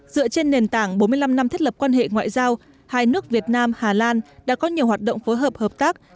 dựa trên nền tảng bốn mươi năm năm thiết lập quan hệ ngoại giao hai nước việt nam hà lan đã có nhiều hoạt động phối hợp hợp tác